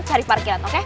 cari parkiran oke